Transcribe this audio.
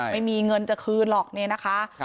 ไม่มีเงินจะคืนหรอกเนี่ยนะคะ